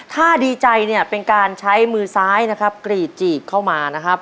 ถ้าดีใจเนี่ยเป็นการใช้มือซ้ายนะครับกรีดจีบเข้ามานะครับ